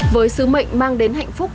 với sứ mệnh mang đến hạnh phúc